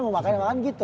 mau makannya dimakan gitu